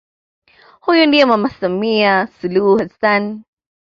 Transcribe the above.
Huyu ndiye mama Samia Suluhu Hassan